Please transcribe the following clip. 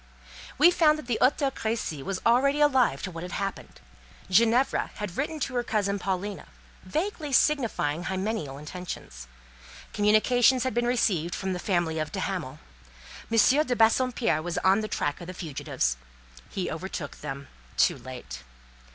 We found that the Hôtel Crécy was already alive to what had happened. Ginevra had written to her cousin Paulina, vaguely signifying hymeneal intentions; communications had been received from the family of de Hamal; M. de Bassompierre was on the track of the fugitives. He overtook them too late.